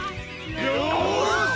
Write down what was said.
よし！